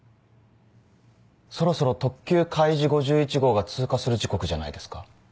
そろそろ特急かいじ５１号が通過する時刻じゃないですか？